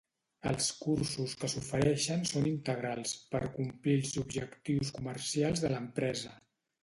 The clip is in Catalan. Els cursos que s'ofereixen són integrals per complir els objectius comercials de l'empresa.